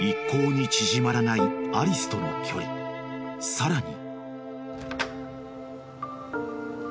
［さらに］